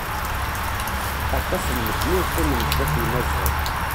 Aṭas n medden i yeqqimen zzat unazal.